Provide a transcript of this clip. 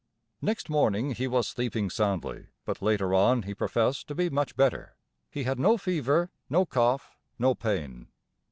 Next morning he was sleeping soundly, but later on he professed to be much better. He had no fever, no cough, no pain.